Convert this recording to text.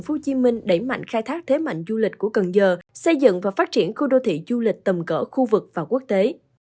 tp hcm đẩy mạnh khai thác thế mạnh du lịch của cần giờ xây dựng và phát triển khu đô thị du lịch tầm cỡ khu vực và quốc tế